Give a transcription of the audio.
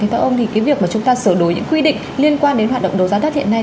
theo ông thì cái việc mà chúng ta sửa đổi những quy định liên quan đến hoạt động đấu giá đất hiện nay